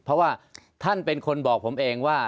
เพราะว่าท่านเป็นคนบอกผมเองว่า